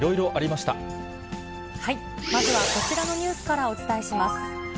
まずはこちらのニュースからお伝えします。